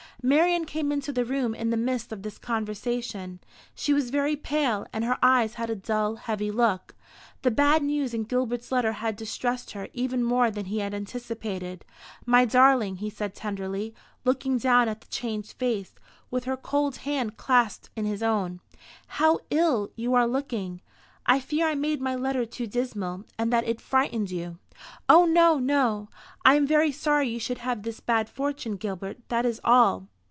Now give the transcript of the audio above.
Marian came into the room in the midst of this conversation. She was very pale, and her eyes had a dull, heavy look. The bad news in Gilbert's letter had distressed her even more than he had anticipated. "My darling," he said tenderly, looking down at the changed face, with her cold hand clasped in his own, "how ill you are looking! I fear I made my letter too dismal, and that it frightened you." "Oh no, no. I am very sorry you should have this bad fortune, Gilbert, that is all."